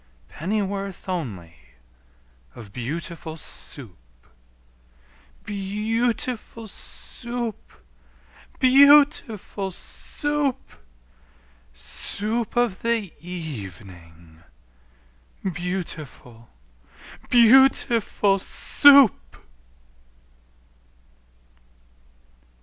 Pennyworth only of beautiful Soup? Beau ootiful Soo oop! Beau ootiful Soo oop! Soo oop of the e e evening, Beautiful, beauti FUL SOUP!